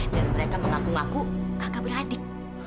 dan mereka mengaku ngaku kakak beradik